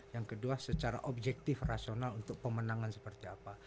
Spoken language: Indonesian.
yang kedua secara objektif rasional untuk pemenangan seperti apa